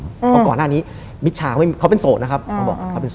เพราะก่อนหน้านี้มิชาเขาเป็นโสดนะครับ